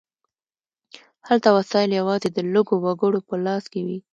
هلته وسایل یوازې د لږو وګړو په لاس کې وي.